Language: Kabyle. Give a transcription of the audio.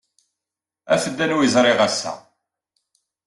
Af-d anwa ay ẓriɣ ass-a.